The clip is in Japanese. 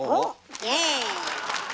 イエーイ。